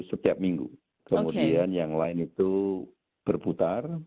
setiap minggu kemudian yang lain itu berputar